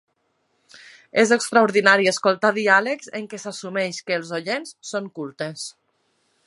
És extraordinari escoltar diàlegs en què s'assumeix que els oients són cultes.